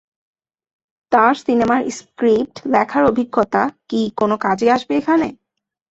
তার সিনেমার স্ক্রিপ্ট লেখার অভিজ্ঞতা কি কোনো কাজে আসবে এখানে?